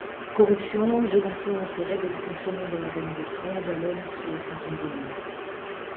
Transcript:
Corruption, jeux d’influence et règles de fonctionnement de l’Organisation, jalonnent ce cinquième volume.